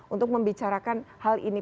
untuk membicarakan hal ini